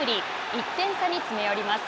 １点差に詰め寄ります。